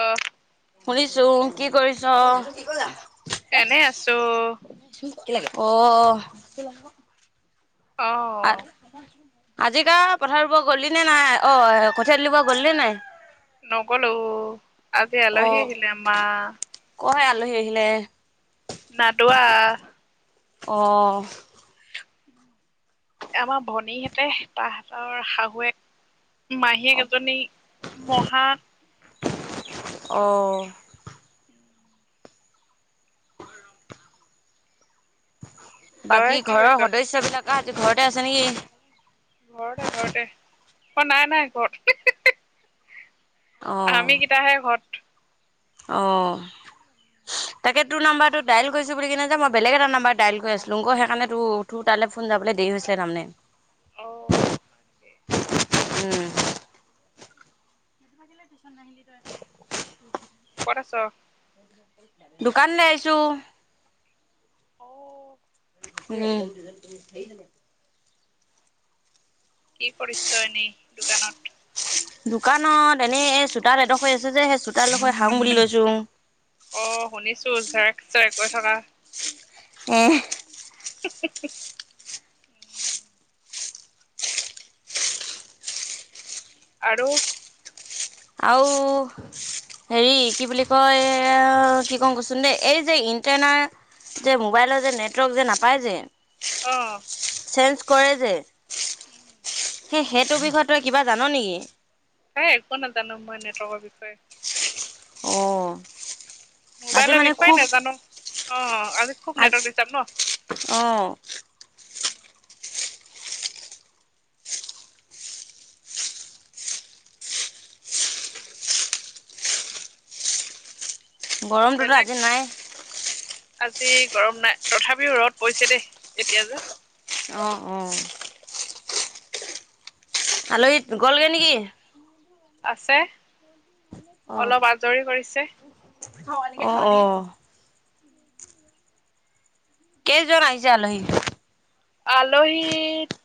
অ'। শুনিছোঁ‌, কি কৰিছ? এনেই আছোঁ‌। অ'হ। অ'। আৰু আজিকা পথাৰব গ'লি নে নাই, অ' কঠিয়া দলিব গ'ল নে নাই? নগলো, আজি আলহী আহিলে আমাৰ। কোহে' এ আলহী আহিলে। নাদোৱা অ'হ। আমাৰ ভনীহেঁতে, তাহতৰ শাহুৱে মাহীয়েক এজনী, মহা অ'। তই বাকী কি ঘৰৰ কৰিছ সদস্য বিলাক আহ ঘৰতে আছে নেকি? ঘৰতে ঘৰতে, অ নাই নাই ঘৰত আমি অ'হ, কেইটাহে ঘৰত অ'হ। উওম [inaudible] তাকে তোৰ নাম্বাৰটো ডাইল কৰিছোঁ বুলি কিনে মই বেগ এটা নাম্বাৰ ডাইল কৰি আছিলোং, সেইকাৰণে তোৰ তোৰ তালে ফোন যাবলৈ দেৰি হৈছিলে তাৰমানে। অ। উম [unintelligible] কত আছো? দোকানলৈ আহিছো। অ। উম। কি কৰিছা এনেই দোকানত? দোকানত এনেই এই চোতাৰ এডোখৰ আছে যে সেই চোতাৰডোখৰ হাৰো বুলি লৈছো। অ, শুনিছো চেৰেক চেৰেক কৈ থকা। উম। [unintelligible] আৰু আৰু হেৰি কি বুলি কয় এই কি কওঁ কচোন দেই এই যে, ইণ্টেনাৰ যে মোবাইলৰ যে নেটৱৰ্ক যে নাপায় যে, অ। চেঞ্জ কৰে যে, উম। সেই সেইটো বিষয়ে তই কিবা জানো নেকি? সেই একো নাজানো মই নেট ৱৰ্ক বিষয়ে। অঁ। আজি মোবাইলেৰ মানে বিষৱাই খুব নাজানো অ আজি খুব আজ নেটৱৰ্ক ডিষ্টাৰ ন? অঁ। গৰমটোতো বেলেগ আজি নাই। আজি গৰম নাই তথাপিও ৰদ পৰিছে দেই এতিয়া যে। অ অ। আলহী গ'লগৈ নেকি? আছে অলপ আজৰি হৈছে। অ অ। কেইজন আহিছে আলহী? আলহী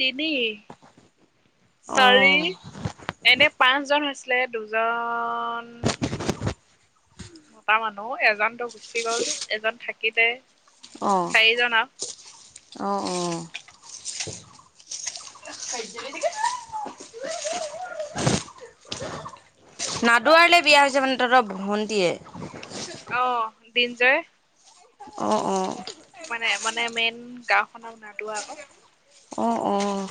তিনি, চাৰি অঁ এনে পাঁচজন হৈছিলে, দুজন মতা মানুহ এজনতো গুচি গ'ল, এজন থাকিলে। অ'। এই জনা অ', অ'। নাদোৱাৰলৈ বিয়া হৈছে মানে তহঁতৰ ভন্টিয়ে? অ' দিনজয়। অ', অ'। মানে, মানে মেইন গাওঁখনক নাদোৱা আকৌ। অ', অ'।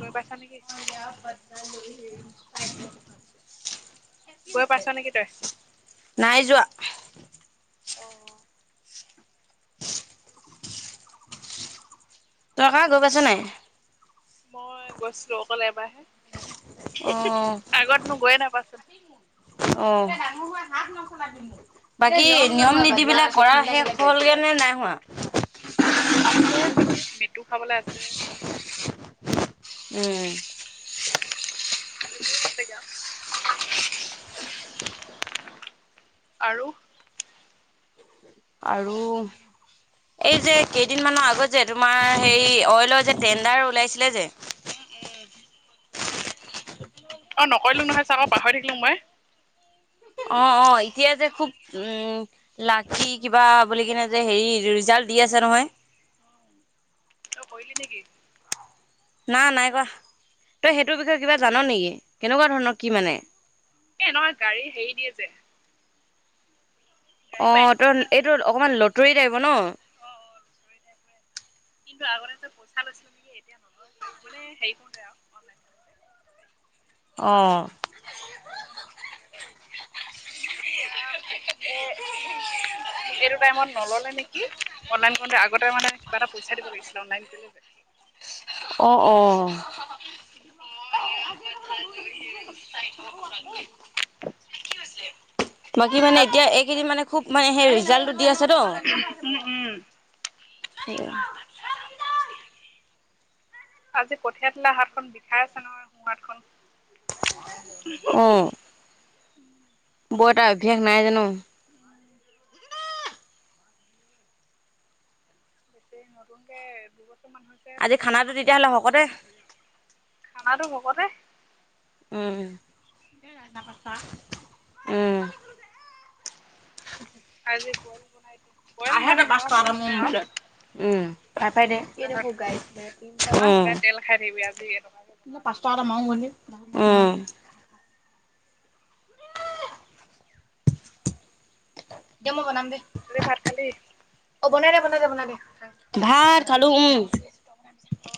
গৈ পাইছা নেকি? [unintelligible] গৈ পাইছ নেকি তই? নাই যোৱা। অ তই কা গৈ পাইছ নাই? মই গৈছিলোঁ অকল এবাৰহে। অ', অ'। আগতনো গৈয়ে নাই পোৱা চোন। অ'। বাকী নিয়ম নীতি বিলাক কৰা শেষ হ'লগে নে নাই হোৱা? আছে ম-মেৃতু খাবলৈ আছে। উম। সেইবোৰে আছে গে আৰ আৰু? আৰু এই যে কেইদিন মানৰ আগত যে তোমাৰ হেৰি অইলৰ যে টেণ্ডাৰ ওলাইছিলে যে উম, উম অ' নকৰিলোঁ নহয় চা আক পাহৰি থাকিলোঁ মই। অ', অ' এতিয়া যে খুব উম লাখি কিবা বুলি কিনে যে হেৰি ৰিজাল্ট দি আছে নহয়। তই কৰিলি নেকি? না নাই কৰা। তই সেইটোৰ বিষয়ে কিবা জান নেকি? কেনেকুৱা ধৰণৰ কি মানে? এ এনেকুৱা গাড়ী হেৰি দিয়ে যে গাড়ী পায় অ' নেকি ত ইমান এইটো অকমান লটৰি টাইপৰ ন? অ অ কিন্তু আগতে যে পইচা লৈছিল নেকি এতিয়া নলয় পাই মানে হেৰি কৰোতে আৰু অনলাইন। কৰোতে অ'। এতিয়া মানে এ [inaudible] এইটো টাইমত নল'লে নেকি অনলাইন কৰতে আগতে মানে কিবা এটা পইচা দিব লাগিব। [unintelligible] আনলাই কৰিলে অ', অ'। [unintelligible] বাকী মানে এতিয়া এইকেইদিন মানে খুব মানে সেই ৰিজালটো দি আছে তো উম উম আজি কঠিয় তোলা হাতখন বিষাই আছে নহয়, সোঁহাতখন অ'। বৰ এটা অভ্যাস নাই যে ন। উম বেছেৰি নতুনকে দুবছৰ মান হৈছে আজি পথাৰত খানাটো নমা। তেতিয়াহ'লে শকতে খানা টো হকতে উম উম, আজি বইল বনাই দিলো। আহেটা বাচত মুম্বাইত [inaudible] উম পাই পাই দে তাৰপিছত কিমান সদায় তেল খাই থাকিবি আজি এনেকুৱাকে উ বনাওঁ পাঁচ দেই টকা বুলি এটা মাওং বুলি উ দে মই বনাম দে খালি ভাত খালি অ বনাই দে বনাই দে বনাই দে ভাত খালো উম। অ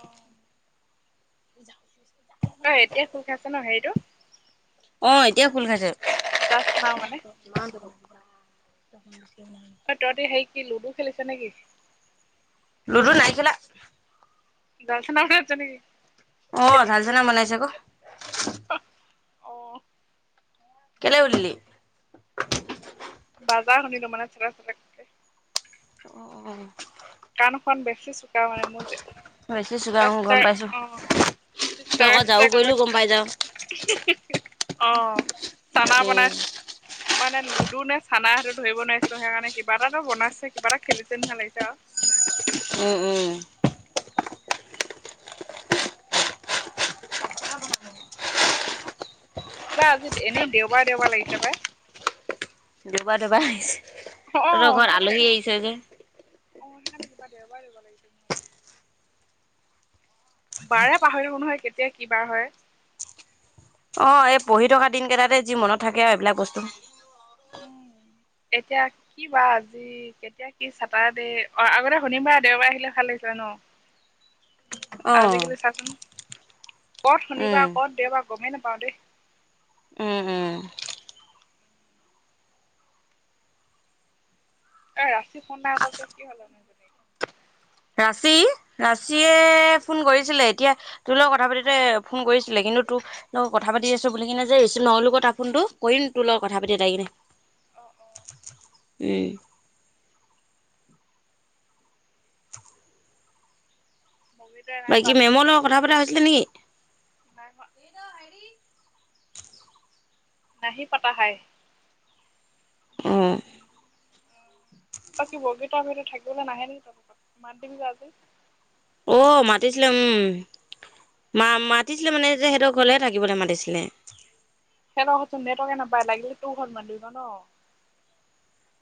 য। [inaudible] অই এতিয়া খোল খাইছে ন হেৰিটো। অ এতিয়া খুল খাইছে। জাষ্ট নাও মানে। যোগ দখ ত মুছি। [inaudible] অই তহঁতি হেই কি লুডু খেলিছ নেকি? লুডু নাই খেলা। জাল চানা খাই আছ নেকি অ ঝাল চানা বনাইছে ক। অ, কেলে হুদিলি বাজা শুনিলো মানে চেতেপ চেৰেক অঁ, অঁ, কাণখন বেছি চোকা মানে মোৰ যে বেছি চুগাৰ অ গম পাইছো অ তই আকৌ যাও কৰিলো গম পাই যাও [inaudible] অ চানা উম বনাইছ মই এনে লুডু নে চানা সেইটো ধৰিব নোৱাৰিছিলো সেইকাৰণে কিবা এটাটো বনাইছে কিবা এটা খেলিছে নি লিছে আউ উ উ কিবা আজিত এনেই দেওবাৰ দেওবাৰ লাগিছে পাই দেওবা দেওবা আহিছে অ তহঁতৰ ঘৰত সঁচাকে আলহী আহিছে যে অ সেইকাৰণে কিবা দেওবাৰ দেওবাৰ লাগিছে মো বাৰে পাহৰি থাকো নহয় কেতিয়া কি বাৰ হয় অ এই পঢ়ি থকা দিন কেইটাতে যি মনত থাকে আউ এইবিলাক বস্তু উম এতিয়া কি বা আজি কেতিয়া কি চাতাৰ দে অ আগতে শনিৰ বাৰ দেওবাৰে আহিলে ভাল লাগিছিলে ন অ আজিকালি চাচোন কত উম শুনিবাৰ কত দেয় বাৰ গমেই নাপাওঁ দেই উ উ এ ৰাছি ফন নাইকৰা যে কি হল তামানে এইজনী ৰাচি আহ ৰাচিয়ে ফোন কৰি ছিলে এতিয়া তোৰ লগত কথা পাটিতে ফোন কৰিছিলে কিন্তু তো ৰ লগত কথা পাতি আছো বুলি কিনে যে ৰিচিভ নকৰিলো ক তাৰ ফোনটো কৰিম তোৰ লগত কথা পাতি এটাই কিনে অ অ উম বগী বাকী মেমৰ লগত কথা পতা হৈছিলে নেকি নাই হোৱা। হেৰি নাহি পাতা হায়। উমঁ। বাকী' বগীতা বাইদেউ থাকিবলৈ নাহে নেকি আজি? মাতি দিবি ক' আজি। অ' মাতিছিলে, উমঁ। মা-মাতিছিলে মানে যে হেতৰ ঘৰলৈহে থাকিবলৈ মাতিছিলে। হেতৰ ঘৰতচোন নেটকে নাপায় লাগিলে তো ঘৰত মাতি দিম ন'।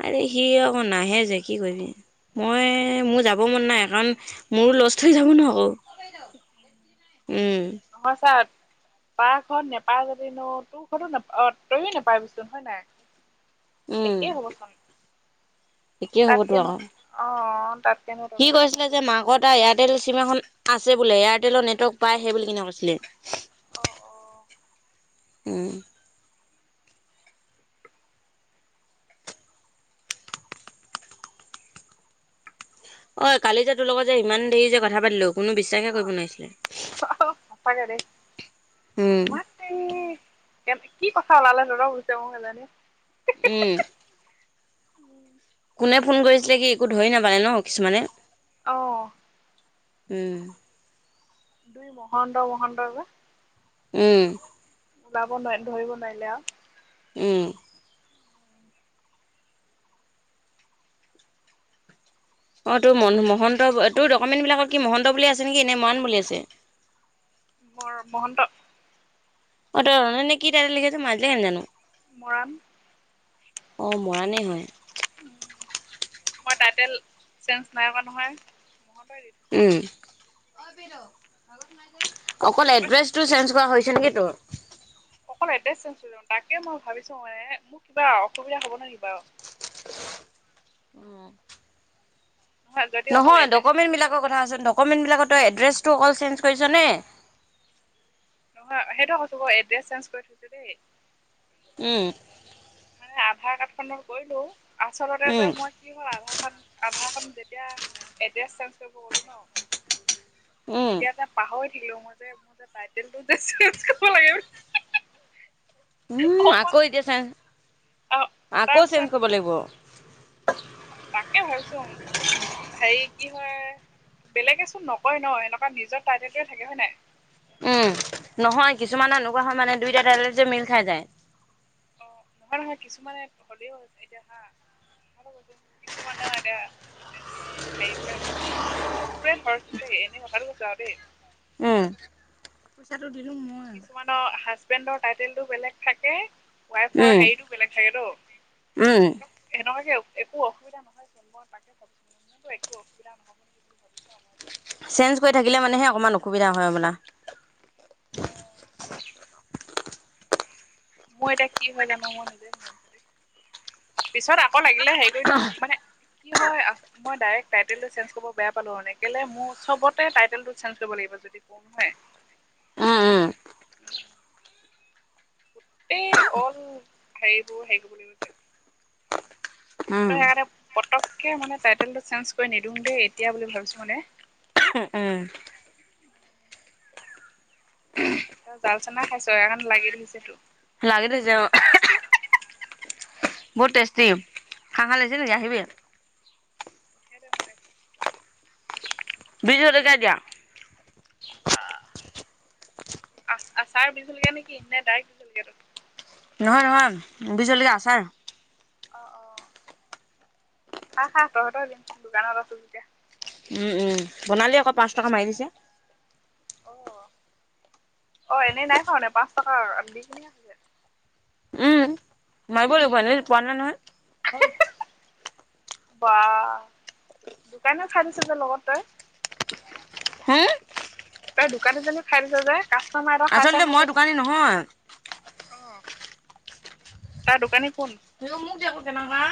আৰে সি আকৌ নাহে যে কি কৰিবি। মইয়ে মোৰ যাব মন নাই কাৰণ মোৰো লষ্ট হৈ যাব ন' আকৌ। উমঁ। নহয় চা- পাৰ ঘৰত নাপায় যাব নো তোৰ ঘৰতো ন অ' তইয়ো নোপাবিচোন হয় নাই। উম একেই হ'ব চোন, একেই হ'বতো তা'তকে নো, আকৌ অঁ', তা'ত সি কৈছিলে যে মাকৰ এয়াৰটেল চিম এখন আছে বোলে এয়াৰটেলৰ নেটৱৰ্ক পাই সেই বুলি কিনে কৈছিলে। অ অ উমঁ। অই কালি যে তোৰ লগত যে ইমান দেৰি যে কথা পাতিলো কোনো বিশ্বাসে কৰিব নোৱাৰিছিলে। হঁচাকে দেই। উম এ' কে কি কথা ওলালে তহঁত হেনেকে [unintelligible] উমঁ। কোনে ফোন কৰিছিলে কি একো ধৰি নাপালে ন' কিছুমানে। অঁ',। উম'। দুই মহন্ত মহন্ত যে। উমঁ। ওলাব নোৱাৰে ধৰিব নোৱাৰিলে আৰু। উমঁ। অ' তোৰ মহন্ত তোৰ ডকুমেণ্ট বিলাকত কি মহন্ত বুলি আছে নেকি নে মৰাণ বুলি আছে? মোৰ মহন্ত। অ' তই [unintelligible] কি টাইটেল লিখে যে মই অজিলেকে নাজানো? মৰাণ। অ' মৰাণেই হয়। মই টাইটেল চেঞ্জ নাই কৰা নহয় মহন্তই [inaudible] উমঁ, অকল থৈছে। এড্ৰেছটো চেঞ্জ কৰা হৈছে নেকি তোৰ? অকল এড্ৰেছ চেঞ্জ কৰিলোঁ, তাকে মই ভাবিছো মানে মোৰ কিবা অসুবিধা হ'ব নেকি বাও? তোৰ নহয় যদি অকল নহয়, এড্ৰেছ ডকমেণ্ট বিলাকৰ কথাচোন ডকমেণ্ট বিলাকত তই এড্ৰেছটো অকল চেঞ্জ কৰিছ নে? নহয়, সেইটোৱে কৈছোঁ ক এড্ৰেছ চেঞ্জ কৰি থৈছো দেই। উমঁ। মানে আধাৰ কাৰ্ড খনত কৰিলোঁ, আচলতে যে উম, মই- কি হ'ল আধাৰ খন আধাৰ খন যেতিয়া এড্ৰেছ চেঞ্জ কৰিব গ'লো ন'- উম, তেতিয়া যে পাহৰি থাকিলো মই যে মোৰ যে- টাইটেল টো যে চেঞ্জ কৰিব লাগে বুলি। উম' অকল আকৌ এতিয়া চেঞ্জ, আকৌ চেঞ্জ তাৰপিছত কৰিব লাগিব। নহয়, তাকে ভাবিচুং - হেৰি কি হয় বেলেগেচোন নকয় ন' এনেকুৱা নিজৰ টাইটেলটোৱে থাকে, হয় নাই। উম নহয় কিছুমান এনেকুৱা হয় মানে দুইটা টাইটেল যে মিল খাই যায়। অ নহয় নহয় কিছুমানে হ'লেও এতিয়া হা [inaudible] কিছুমানৰ এতিয়া এনে হেৰিবোৰে [inaudible] ধৰচোন দেই এনেই কথাটো কৈছো আও দেই। পইচাটো দিলো মই। কিছুমানৰ হাজবেণ্ডৰ টাইটেলটো বেলেগ থাকে ওৱাইফৰ উম, হেৰিটো বেলেগ থাকে ত। উম, সেনকাকে একো অসুবিধা নহয় চোন, মই তাকে ভাবিছোঁ মানে, মোৰতো একো অসুবিধা নহ'ব। নেকি বুলি ভাবিছো আৰু মই যে চেঞ্জ কৰি থাকিলে মানেহে অকমান অসুবিধা হয় হবলা? অ মোৰ এতিয়া কি হয় জানো মই নিজে নাজানিছোঁ দেই, পিছত আকৌ লাগিলে হেৰি কৰি লম মানে কি হয় আ মই ডাইৰেক্ট টাইটেলটো চেঞ্জ কৰিব বেয়া পালো মানে, কেলে মোৰ সবতে টাইটেলটো চেঞ্জ কৰিব লাগিব যে। হয় [inaudible] উম, উম, গোটেই অল হেৰিবোৰ হেৰি কৰিব লাগিব যে। ত উম, সেইকাৰণে পতককে মানে টাইটেলটো চেঞ্জ কৰি নিদিওঁ দেই এতিয়া বুলি ভাবিছো মানে। [unintelligible] তই জাল চানা খাইছো সেইকাৰণে লাগি ধৰিছে তো। লাগি ধৰিছে অ। বহুত টেষ্টি খাও খাও লাগিছে নেকি আহিবি? পঠিয়াই দে মোলে [inaudible] বি জলকীয়া দিয়া। বা আহ আচাৰ বি জলকীয়া নেকি নে ডাইৰেক্ট বি জলকীয়াটো? নহয় নহয় বি জলকীয়া আচাৰ। অ অ খা খা তহঁতৰ দিন, দোকানত আছো যেতিয়া। উম উম বনালিয়ে আকৌ পাঁচ টকা মাৰি দিছে। অ অ এনেই নাই খুৱা মানে পাঁচ টকা [inaudible] উম মাৰিব লাগিব এনেই পোৱা নাই নহয়। বা দোকানে খাই দিছে যে লগত তই। হুম? তই দোকানীজনীও খাই দিছে যে, কাষ্টমাৰে ত খাইছে আচলতে মই খাইছে। দোকানী নহয় অ তাৰ দোকানী কোন? [inaudible] মোক দে ক কেনকা।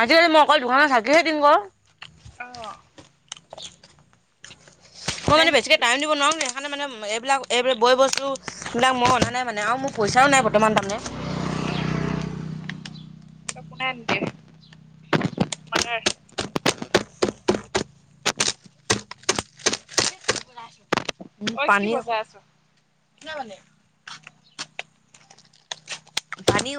আজিকালি মই অকল দোকানত থাকিহে দিম ক। অ। মই মানে মেইন বেছিকে টাইম দিব নুৱাওঙে। সেইকাৰণে মানে এইবিলাক এইবোৰ বয় বস্তু এইবিলাক মই অনা নাই মানে আৰু মোৰ পইচাও নাই বৰ্তমান তাৰমানে অ অ ত কোনে আনি দিয়ে মাদাৰ উ ঐ কি পানী আকৌ বজাই আছ কিমান পানী পানী